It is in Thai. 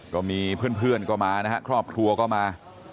ก็มีเพื่อนก็มานะครับครอบครัวก็มา